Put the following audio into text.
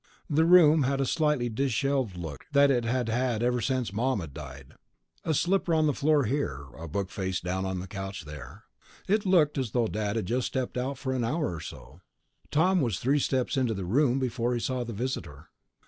The room had the slightly disheveled look that it had had ever since Mom had died ... a slipper on the floor here, a book face down on the couch there.... It looked as though Dad had just stepped out for an hour or so. Tom was three steps into the room before he saw the visitor.